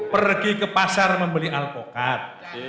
pergi ke pasar membeli alpukat